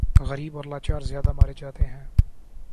غریب اور لاچار زیادہ مارے جاتے ہیں۔